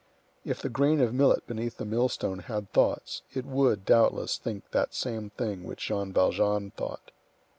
If the grain of millet beneath the millstone had thoughts, it would, doubtless, think that same thing which Jean Valjean thought.